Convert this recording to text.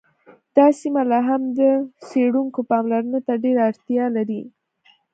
دا سیمه لا هم د څیړونکو پاملرنې ته ډېره اړتیا لري